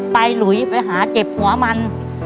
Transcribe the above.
หลุยไปหาเจ็บหัวมัน